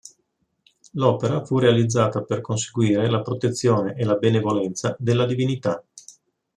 L'opera fu realizzata per conseguire la protezione e la benevolenza delle divinità.